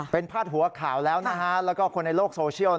เป็นภาพหัวข่าวแล้วและคนในโลกโซเชียล